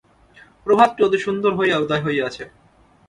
প্রভাতটি অতি সুন্দর হইয়া উদয় হইয়াছে।